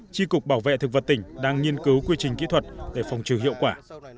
tri cục bảo vệ thực vật tỉnh đang nghiên cứu quy trình kỹ thuật để phòng trừ hiệu quả